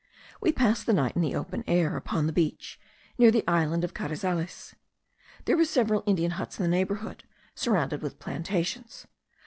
We passed the night in the open air, upon the beach, near the island of Carizales. There were several Indian huts in the neighbourhood, surrounded with plantations.